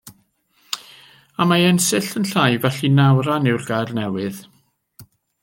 A mae o'n sill yn llai felly nawran yw'r gair newydd.